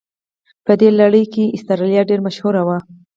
په دې لړ کې استرالیا ډېره مشهوره وه.